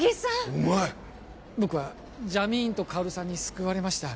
お前僕はジャミーンと薫さんに救われました